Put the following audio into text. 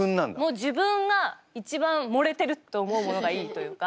もう自分が一番盛れてるって思うものがいいというか。